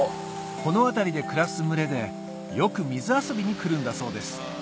この辺りで暮らす群れでよく水遊びに来るんだそうです